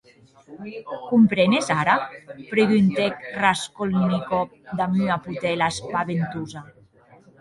Comprenes ara?, preguntèc Raskolnikov damb ua potèla espaventosa.